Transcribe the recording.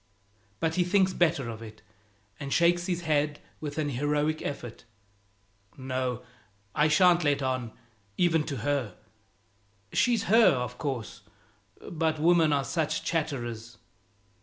But he thinks better of it, and shakes his head with an heroic effort. "No I shan't let on, even to her. She's her, of course, but women are such chatterers!"